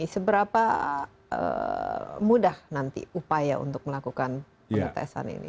seberapa mudah nanti upaya untuk melakukan pengetesan ini